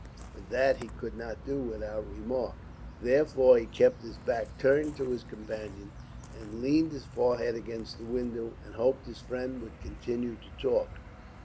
But that he could not do without remark. Therefore he kept his back turned to his companion, and leaned his forehead against the window, and hoped his friend would continue to talk.